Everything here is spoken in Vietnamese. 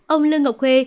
ông lương ngọc huê